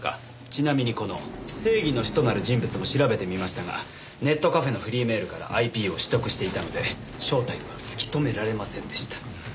ちなみにこの「正義の使徒」なる人物も調べてみましたがネットカフェのフリーメールからＩＰを取得していたので正体は突き止められませんでした。